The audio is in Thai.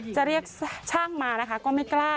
จะเรียกช่างมานะคะก็ไม่กล้า